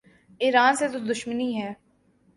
ایران سے تو دشمنی ہے۔